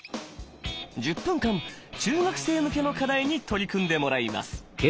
１０分間中学生向けの課題に取り組んでもらいます。